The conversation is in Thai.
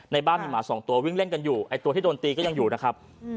ในบ้านมีหมาสองตัววิ่งเล่นกันอยู่ไอ้ตัวที่โดนตีก็ยังอยู่นะครับ